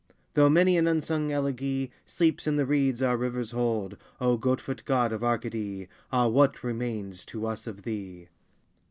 Though many an unsung elegy Sleeps in the reeds our rivers hold, O goat foot God of Arcady! Ah, what remains to us of thee?